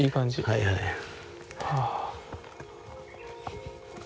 はいはいはい。